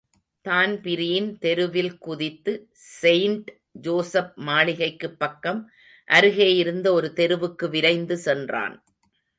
Dan Breen தெருவில் குதித்து, saint Joseph மாளிகைக்குப் பக்கம் அருகேயிருந்த ஒரு தெருவுக்கு விரைந்து சென்றான்.